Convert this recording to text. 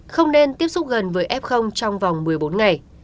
không nên tiếp xúc gần với f trong vòng một mươi bốn ngày